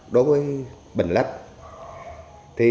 đối với bình lã lách